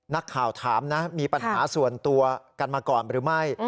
นักข่าวถามนะมีปัญหาส่วนตัวกันมาก่อนหรือไม่